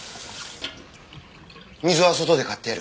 水は外で買ってやる。